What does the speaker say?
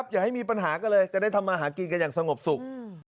อย่าให้มีปัญหาก็เลยจะได้ทำมาหากินกันอย่างสงบสุข